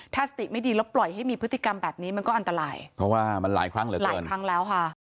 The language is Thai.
ถ้าสติไม่ดีแล้วปล่อยให้มีพฤติกรรมแบบนี้มันก็อันตรายเพราะว่ามันหลายครั้งเหลือเกินหลายครั้งแล้วค่ะ